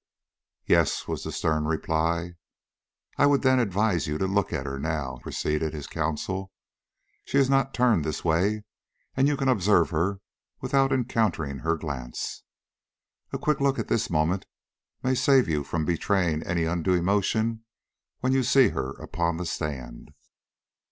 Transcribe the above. "Yes," was the stern reply. "I would then advise you to look at her now," proceeded his counsel. "She is not turned this way, and you can observe her without encountering her glance. A quick look at this moment may save you from betraying any undue emotion when you see her upon the stand."